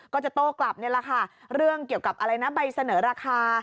ก็จะโต๊ะกลับเรื่องเกี่ยวกับใบเสนอราคา